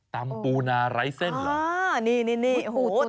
ตำปูนาร้ายเส้นเหรออ๋อนี่นี่นี่โหตัวโตมาก